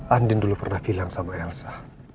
andin dulu pernah hilang sama elsa